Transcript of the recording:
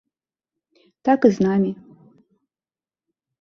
Так і з намі.